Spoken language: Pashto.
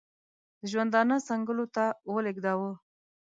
د ژوندانه څنګلو ته ولېږداوه.